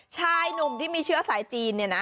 ชายนุ่มที่มีเชื้อสายจีน